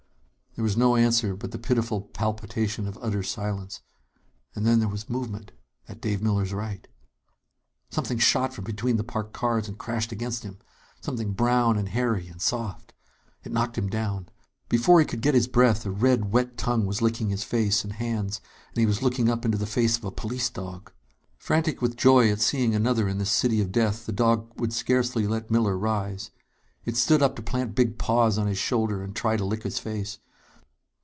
There was no answer but the pitiful palpitation of utter silence. And then, there was movement at Dave Miller's right! Something shot from between the parked cars and crashed against him; something brown and hairy and soft. It knocked him down. Before he could get his breath, a red, wet tongue was licking his face and hands, and he was looking up into the face of a police dog! Frantic with joy at seeing another in this city of death, the dog would scarcely let Miller rise. It stood up to plant big paws on his shoulders and try to lick his face.